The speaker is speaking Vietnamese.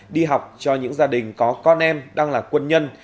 đi học cho những gia đình có con em đang là quân nhân